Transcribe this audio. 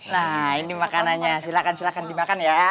nah ini makanannya silakan silakan dimakan ya